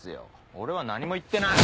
俺は何も言ってない。